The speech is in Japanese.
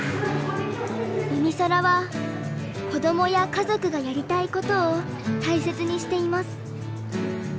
うみそらは子どもや家族がやりたいことを大切にしています。